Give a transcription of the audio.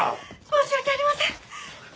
申し訳ありません！